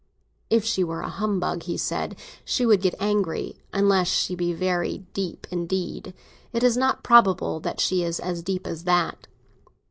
"If she were a humbug," he said, "she would get angry; unless she be very deep indeed. It is not probable that she is as deep as that."